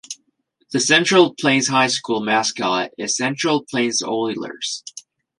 The Central Plains High School mascot is Central Plains Oilers.